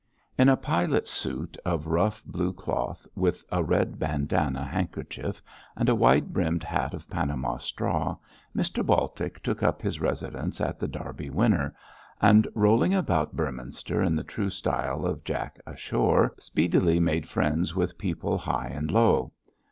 In a pilot suit of rough blue cloth, with a red bandanna handkerchief and a wide brimmed hat of Panama straw, Mr Baltic took up his residence at The Derby Winner, and, rolling about Beorminster in the true style of Jack ashore, speedily made friends with people high and low.